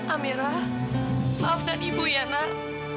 amera maafkan ibu ya nak